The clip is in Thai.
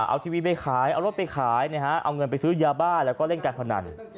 เอาทีวีไปขายเอารถไปขายนะฮะเอาเงินไปซื้อยาบ้าแล้วก็เล่นการพนัน